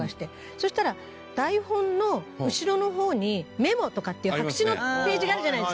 そしたら台本の後ろの方にメモとかっていう白紙のページがあるじゃないですか。